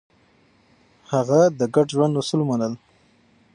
هغه د ګډ ژوند اصول ومنل.